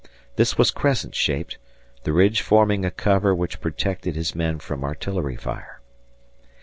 This was crescent shaped, the ridge forming a cover which protected his men from artillery fire.